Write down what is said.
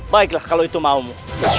baiklah kalau itu maumu